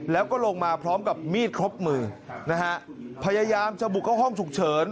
แล้วก็ลงมาพร้อมกับมีดครบมือนะฮะพยายามจะบุกเข้าห้องฉุกเฉิน